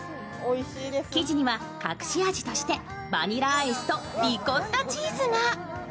生地には隠し味としてバニラアイスとリコッタチーズが。